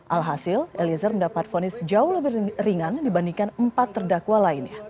alhasil eliezer mendapat vonis jauh lebih ringan dibandingkan empat terdakwa lainnya